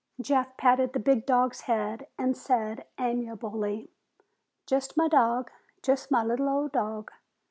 Jeff patted the big dog's head and said amiably, "Just my dog. Just my little old dog.